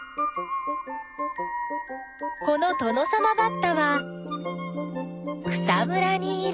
このトノサマバッタは草むらにいる。